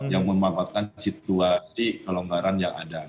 yang memanfaatkan situasi kelonggaran yang ada